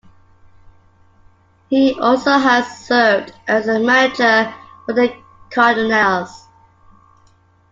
He also has served as a manager for the Cardinals.